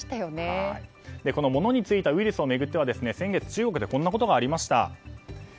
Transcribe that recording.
物に付いたウイルスを巡っては先月、中国でこんなことがありました。